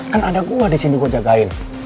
kan ada gua di sini gue jagain